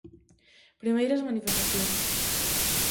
Primeiras manifestacións.